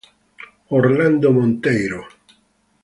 Orlando Monteiro